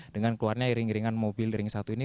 dengan keluarnya iring iringan mobil ring satu ini